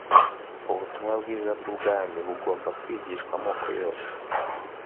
ubutumwa bwiza bw'ubwami bugomba «kwigishwa amoko yose,